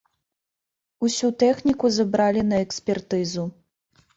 Усю тэхніку забралі на экспертызу.